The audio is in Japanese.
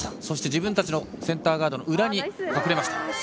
そして自分たちのセンターガードの裏に隠れました。